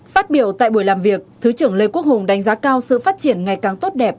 phát biểu tại buổi làm việc thứ trưởng lê quốc hùng đánh giá cao sự phát triển ngày càng tốt đẹp